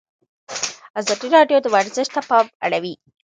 ازادي راډیو د ورزش ته پام اړولی.